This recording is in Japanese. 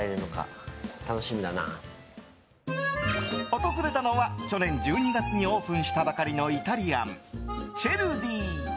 訪れたのは、去年１２月にオープンしたばかりのイタリアン、Ｃｅｒｄｉ。